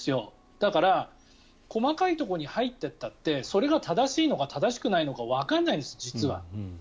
だから、細かいところに入っていったってそれが正しいのか正しくなのかわかんないんです、実は。